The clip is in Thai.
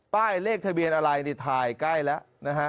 ป้ายเลขทะเบียนอะไรนี่ถ่ายใกล้แล้วนะฮะ